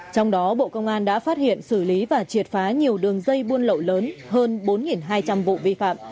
trong đó bộ công an đã phát hiện xử lý và triệt phá nhiều đường dây buôn lậu lớn hơn bốn hai trăm linh vụ vi phạm